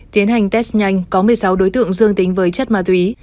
tiến hành test nhanh có một mươi sáu đối tượng dương tính với chất ma túy